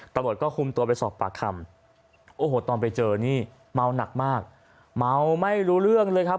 ตำรวจก็คุมตัวไปสอบปากคำโอ้โหตอนไปเจอนี่เมาหนักมากเมาไม่รู้เรื่องเลยครับ